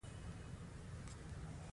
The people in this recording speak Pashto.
دویم دا چې تولید د شخصي کار پر بنسټ دی.